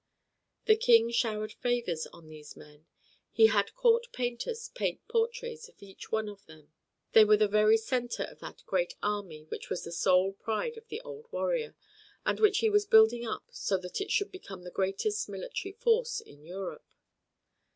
The King showered favors on these men. He had court painters paint portraits of each one of them. They were the very centre of that great army which was the sole pride of the old warrior, and which he was building up so that it should become the greatest military force in Europe.